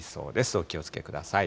お気をつけください。